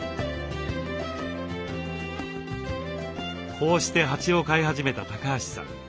こうして蜂を飼い始めた橋さん。